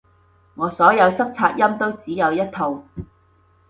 我所有塞擦音都只有一套